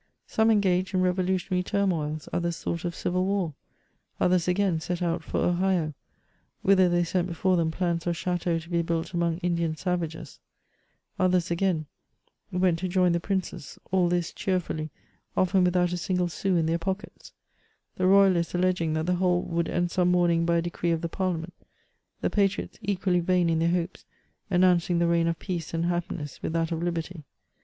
Some engaged in revolutionary turmoils, others thought of civil war ; others again set out for Ohio, whi ther they sent before them plans of chateaux to be built among Indian savages ; others, again, went to join the princes ; all this cheerfully, often without a single sous in their pockets — the royalists alleging that the whole would end some morning by a decree of the Parliament; the patriots, equally vain in their hopes, announc ing the reign of peace and happiness with that of liberty.